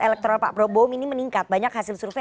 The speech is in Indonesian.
elektoral pak prabowo ini meningkat banyak hasil survei